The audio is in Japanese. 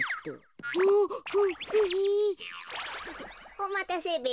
おまたせべ。